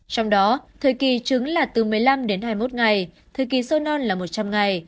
trong đó thời kỳ trứng là từ một mươi năm đến hai mươi một ngày thời kỳ sôi non là một trăm linh ngày